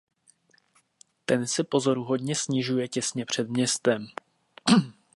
Ten se pozoruhodně snižuje těsně před městem.